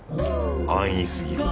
安易すぎる。